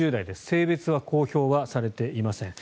性別は公表されていません。